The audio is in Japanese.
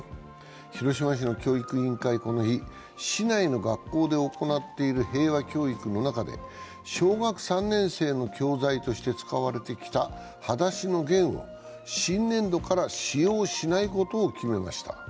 広島市の教育委員会はこの日市内の学校で行っている平和教育の中で小学３年生の教材として使われてきた「はだしのゲン」を新年度から使用しないことを決めました。